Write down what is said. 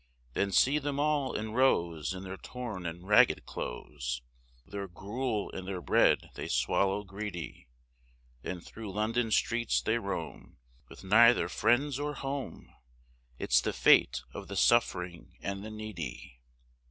Then see them all in rows in their torn and ragged clothes, Their gruel and their bread they swallow greedy, Then through London streets they roam, with neither friends or home, It's the fate of the suffering and the needy.